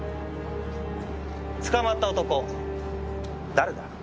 捕まった男誰だ？